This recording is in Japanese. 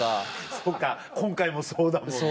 そうか今回もそうだもんね。